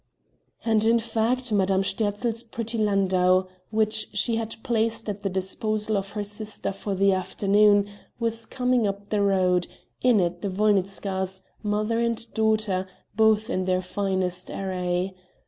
And in fact, Madame Sterzl's pretty landau, which she had placed at the disposal of her sister for the afternoon, was coming up the road, in it the Wolnitzkas, mother and daughter, both in their finest array.